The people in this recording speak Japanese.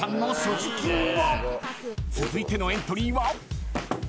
［続いてのエントリーは］